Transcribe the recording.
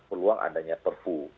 peluang adanya perpu